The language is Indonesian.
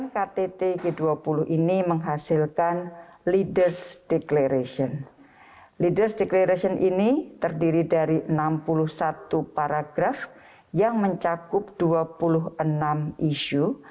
ktt g dua puluh ini menghasilkan leaders declaration leaders declaration ini terdiri dari enam puluh satu paragraf yang mencakup dua puluh enam isu